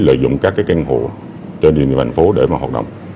lợi dụng các căn hộ trên địa bàn thành phố để hoạt động